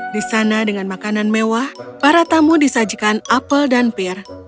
di sana dengan makanan mewah para tamu disajikan apel dan peer